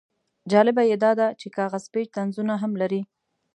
جالبه یې دا دی چې کاغذ پیچ طنزونه هم لري.